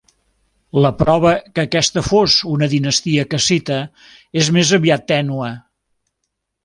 La prova que aquesta fos una dinastia cassita és més aviat tènue.